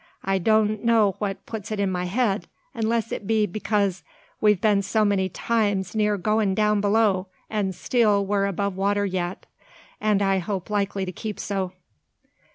I doan' know what puts it in my head; unless it be because we've been so many times near going down below, an' still we're above water yet, an' I hope likely to keep so."